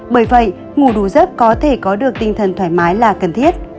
bởi vậy ngủ đủ giấc có thể có được tinh thần thoải mái là cần thiết